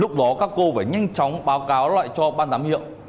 lúc đó các cô phải nhanh chóng báo cáo lại cho ban giám hiệu